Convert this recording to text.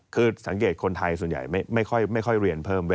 คือสังเกตคนไทยส่วนใหญ่ไม่ค่อยเรียนเพิ่มด้วย